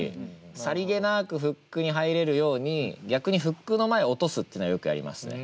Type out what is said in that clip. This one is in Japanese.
さりげなくフックに入れるように逆にフックの前を落とすっていうのはよくやりますね。